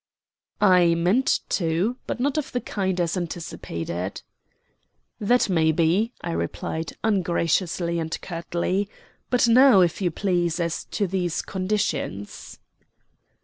I meant to, but not of the kind as anticipated. "That may be," I replied, ungraciously and curtly. "But now, if you please, as to these conditions."